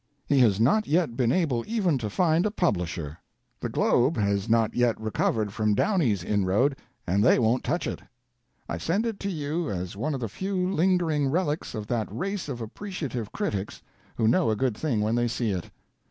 He has not yet been able even to find a publisher. The Globe has not yet recovered from Downey's inroad, and they won't touch it. I send it to you as one of the few lingering relics of that race of appreciative critics, who know a good thing when they see it.